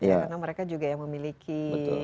karena mereka juga yang memiliki